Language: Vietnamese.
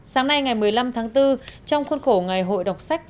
sáng nay ngày một mươi năm tháng bốn trong khuôn khổ ngày hội đọc sách